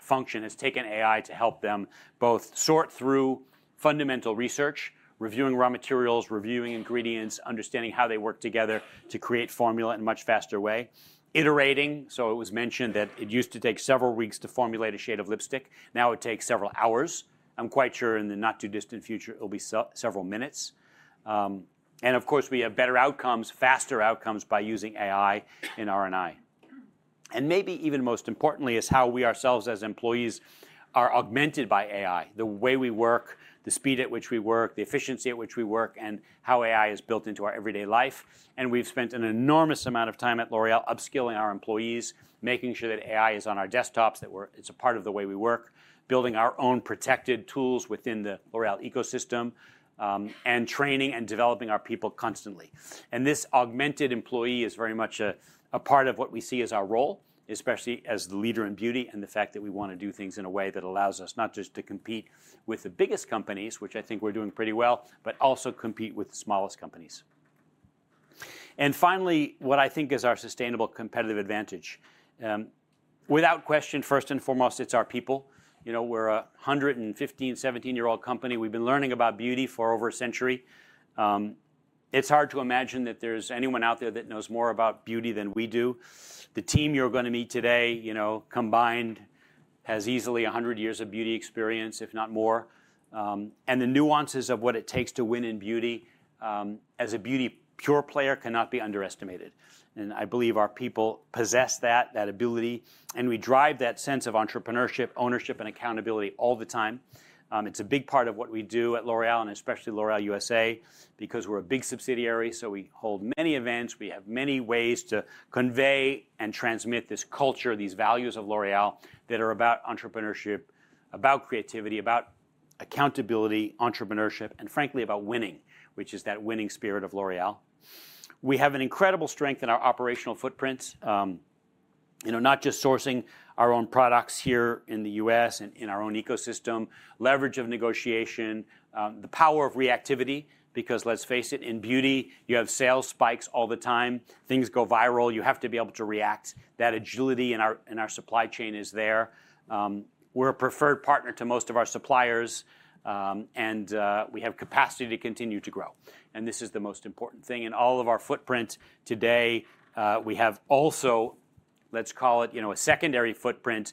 function has taken AI to help them both sort through fundamental research, reviewing raw materials, reviewing ingredients, understanding how they work together to create formula in a much faster way, iterating. So it was mentioned that it used to take several weeks to formulate a shade of lipstick. Now it takes several hours. I'm quite sure in the not too distant future, it'll be several minutes, and of course we have better outcomes, faster outcomes by using AI in R&I. And maybe even most importantly is how we ourselves as employees are augmented by AI, the way we work, the speed at which we work, the efficiency at which we work, and how AI is built into our everyday life. And we've spent an enormous amount of time at L'Oréal upskilling our employees, making sure that AI is on our desktops, that we're, it's a part of the way we work, building our own protected tools within the L'Oréal ecosystem, and training and developing our people constantly. And this augmented employee is very much a part of what we see as our role, especially as the leader in beauty and the fact that we want to do things in a way that allows us not just to compete with the biggest companies, which I think we're doing pretty well, but also compete with the smallest companies. And finally, what I think is our sustainable competitive advantage. Without question, first and foremost, it's our people. You know, we're a 115-year-old company. We've been learning about beauty for over a century. It's hard to imagine that there's anyone out there that knows more about beauty than we do. The team you're going to meet today, you know, combined has easily 100 years of beauty experience, if not more. And the nuances of what it takes to win in beauty, as a beauty pure player cannot be underestimated. And I believe our people possess that, that ability. And we drive that sense of entrepreneurship, ownership, and accountability all the time. It's a big part of what we do at L'Oréal and especially L'Oréal USA because we're a big subsidiary. So we hold many events. We have many ways to convey and transmit this culture, these values of L'Oréal that are about entrepreneurship, about creativity, about accountability, entrepreneurship, and frankly, about winning, which is that winning spirit of L'Oréal. We have an incredible strength in our operational footprint. You know, not just sourcing our own products here in the U.S. and in our own ecosystem, leverage of negotiation, the power of reactivity because let's face it, in beauty, you have sales spikes all the time. Things go viral. You have to be able to react. That agility in our supply chain is there. We're a preferred partner to most of our suppliers. And we have capacity to continue to grow. And this is the most important thing. All of our footprint today, we have also, let's call it, you know, a secondary footprint,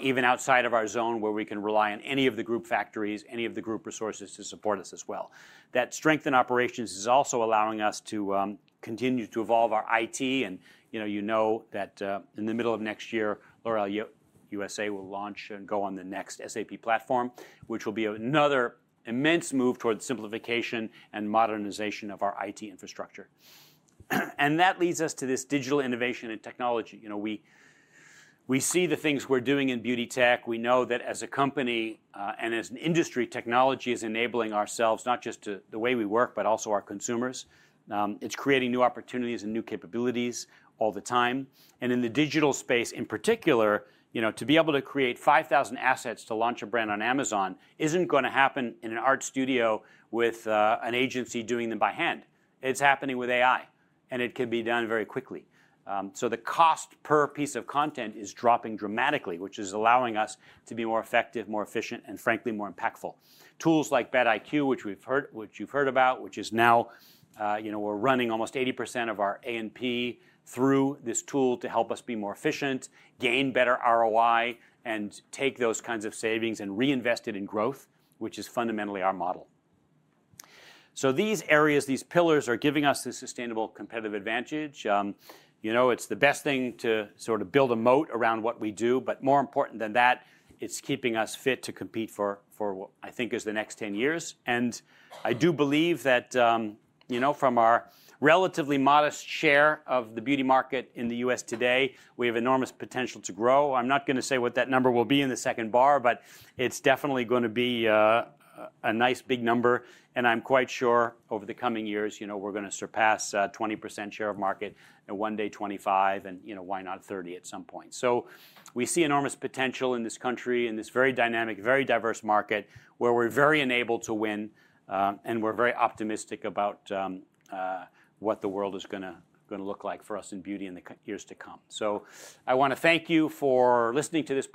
even outside of our zone where we can rely on any of the group factories, any of the group resources to support us as well. That strength in operations is also allowing us to continue to evolve our IT. You know that, in the middle of next year, L'Oréal USA will launch and go on the next SAP platform, which will be another immense move toward the simplification and modernization of our IT infrastructure. That leads us to this digital innovation and technology. You know, we see the things we're doing in beauty tech. We know that as a company, and as an industry, technology is enabling ourselves, not just to the way we work, but also our consumers. It's creating new opportunities and new capabilities all the time. And in the digital space in particular, you know, to be able to create 5,000 assets to launch a brand on Amazon isn't going to happen in an art studio with an agency doing them by hand. It's happening with AI and it can be done very quickly. So the cost per piece of content is dropping dramatically, which is allowing us to be more effective, more efficient, and frankly, more impactful. Tools like BetIQ, which we've heard, which you've heard about, which is now, you know, we're running almost 80% of our A&P through this tool to help us be more efficient, gain better ROI, and take those kinds of savings and reinvest it in growth, which is fundamentally our model. So these areas, these pillars are giving us the sustainable competitive advantage. You know, it's the best thing to sort of build a moat around what we do, but more important than that, it's keeping us fit to compete for what I think is the next 10 years, and I do believe that, you know, from our relatively modest share of the beauty market in the U.S. today, we have enormous potential to grow. I'm not going to say what that number will be in the second bar, but it's definitely going to be a nice big number, and I'm quite sure over the coming years, you know, we're going to surpass 20% share of market and one day 25 and, you know, why not 30 at some point, so we see enormous potential in this country, in this very dynamic, very diverse market where we're very enabled to win. and we're very optimistic about what the world is going to look like for us in beauty in the years to come. So I want to thank you for listening to this.